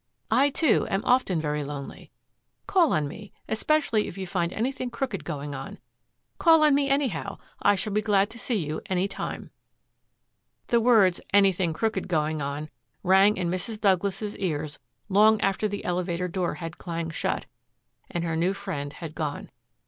"I, too, am often very lonely. Call on me, especially if you find anything crooked going on. Call on me, anyhow. I shall be glad to see you any time." The words, "anything crooked going on," rang in Mrs. Douglas's ears long after the elevator door had clanged shut and her new friend had gone.